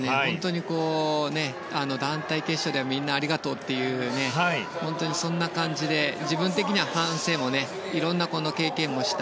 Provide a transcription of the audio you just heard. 団体決勝ではみんなありがとうという本当にそんな感じで自分的には反省もいろんな経験もした。